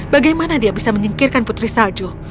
bagaimana dia bisa menyingkirkan putri salju